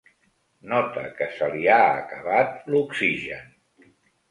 Nota que se li ha acabat l'oxigen.